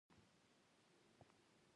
کندهار پوهنتون زما ویاړ دئ.